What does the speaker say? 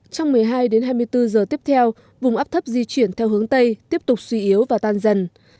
trong một mươi hai đến hai mươi bốn giờ tiếp theo vùng áp thấp di chuyển theo hướng tây tiếp tục suy yếu và tan dần